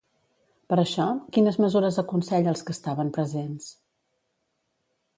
Per això, quines mesures aconsella als que estaven presents?